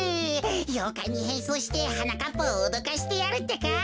ようかいにへんそうしてはなかっぱをおどかしてやるってか。